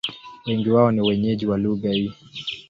Wengi wao ni wenyeji wa lugha hii.